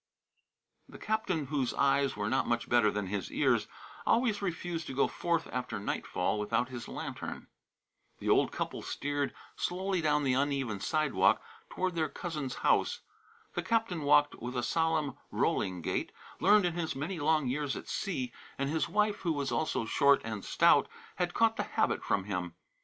"The captain, whose eyes were not much better than his ears, always refused to go forth after nightfall without his lantern. The old couple steered slowly down the uneven sidewalk toward their cousin's house. The captain walked with a solemn, rolling gait, learned in his many long years at sea, and his wife, who was also short and stout, had caught the habit from him.